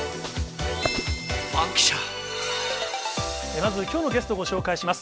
まずきょうのゲストをご紹介します。